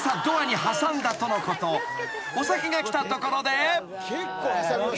［お酒が来たところで］